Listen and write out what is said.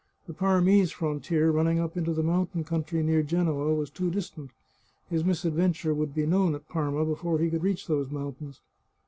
The Parmese frontier running up into the mountain country near Genoa was too distant; his misadventure would be known at Parma before he could reach those mountains.